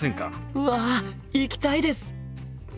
うわ行きたいです！